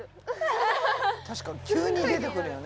確かに急に出てくるよね。